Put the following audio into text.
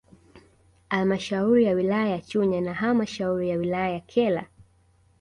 Halmashauri ya wilaya ya Chunya na halmashauri ya wilaya ya Kyela